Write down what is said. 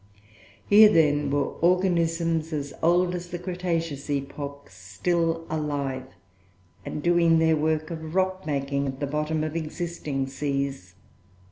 Here then were organisms, as old as the cretaceous epoch, still alive, and doing their work of rock making at the bottom of existing seas.